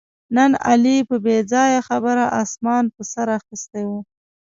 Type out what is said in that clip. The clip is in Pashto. نن علي په بې ځایه خبره اسمان په سر اخیستی و